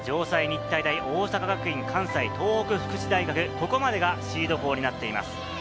城西、日体大、大阪学院、関西、東北福祉大学、ここまでがシード校になっています。